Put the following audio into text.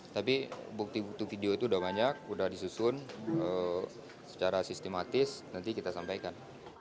tapi bukti bukti video itu sudah banyak sudah disusun secara sistematis nanti kita sampaikan